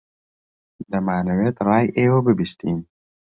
دەمانەوێت ڕای ئێوە ببیستین.